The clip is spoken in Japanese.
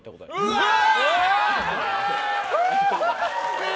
うわ！